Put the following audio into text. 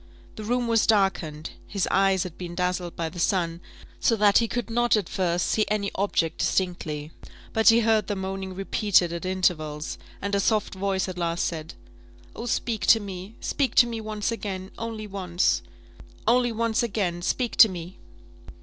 The room was darkened, his eyes had been dazzled by the sun, so that he could not, at first, see any object distinctly; but he heard the moaning repeated at intervals, and a soft voice at last said "Oh, speak to me! speak to me once again only once only once again, speak to me!"